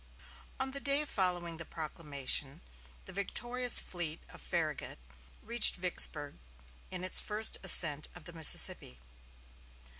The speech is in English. On the day following the proclamation the victorious fleet of Farragut reached Vicksburg in its first ascent of the Mississippi.